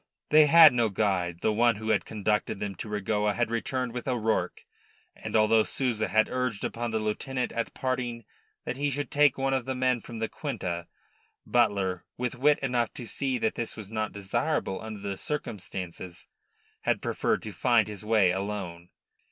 They had no guide. The one who had conducted them to Regoa had returned with O'Rourke, and although Souza had urged upon the lieutenant at parting that he should take one of the men from the quinta, Butler, with wit enough to see that this was not desirable under the circumstances, had preferred to find his way alone.